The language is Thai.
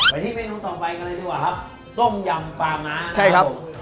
ที่เมนูต่อไปกันเลยดีกว่าครับต้มยำปลาม้าใช่ครับผม